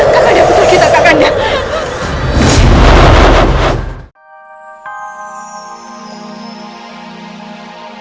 kak kandah putri kita kak kandah